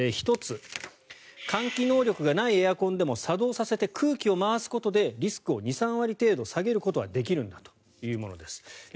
１つ、換気能力のないエアコンでも作動させて空気を回すことでリスクを２３割程度下げることはできるんだというものです。